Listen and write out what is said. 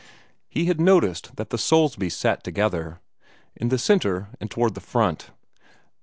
He had noticed that the Soulsbys sat together, in the centre and toward the front.